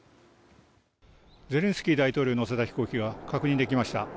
ゼレンスキー大統領を乗せた飛行機が確認できました。